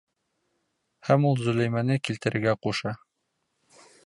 Һәм ул Зөләймәне килтерергә ҡуша.